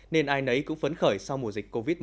nên ai nấy cũng phấn khởi sau mùa dịch covid một mươi chín